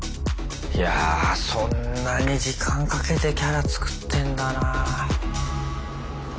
いやそんなに時間かけてキャラ作ってんだな。